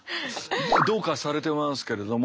どうかされてますけれども。